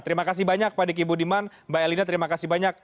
terima kasih banyak pak diki budiman mbak elina terima kasih banyak